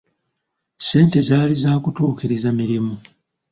Ssente zaali za kutuukiriza mirimu.